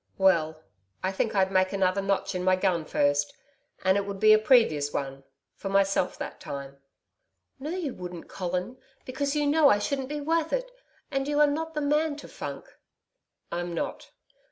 'Well, I think I'd make another notch in my gun first and it would be a previous one for myself that time.' 'No, you wouldn't, Colin. Because you know I shouldn't be worth it and you are not the man to funk.' 'I'm not.